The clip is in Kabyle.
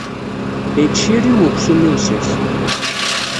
La yettcirriw uksum-iw seg-s.